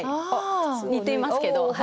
似ていますけど。